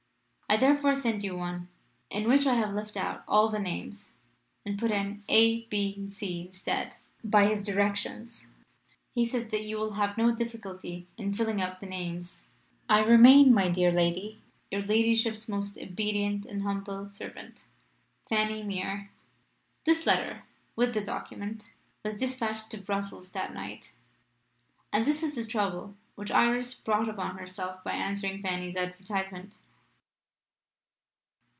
I therefore send you one, in which I have left out all the names, and put in A, B, and C instead, by his directions. He says that you will have no difficulty in filling up the names. "I remain, my dear Lady, "Your ladyship's most obedient and humble servant, "FANNY MERE." This letter, with the document, was dispatched to Brussels that night. And this is the trouble which Iris brought upon herself by answering Fanny's advertisement.